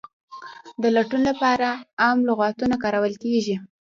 د لټون لپاره عام لغتونه کارول کیږي.